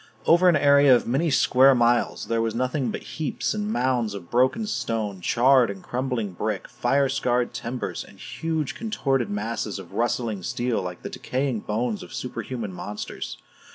Over an area of many square miles, there was nothing but heaps and mounds of broken stone, charred and crumbling brick, fire scarred timbers, and huge contorted masses of rusting steel like the decaying bones of superhuman monsters.